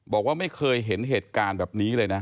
บอกว่าไม่เคยเห็นเหตุการณ์แบบนี้เลยนะ